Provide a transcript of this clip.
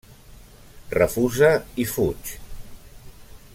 Refusa i fuig.